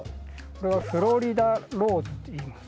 これはフロリダローズっていいます。